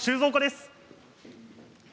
収蔵庫です。